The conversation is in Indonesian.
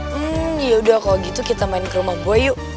hmm yaudah kalau gitu kita main ke rumah boy yuk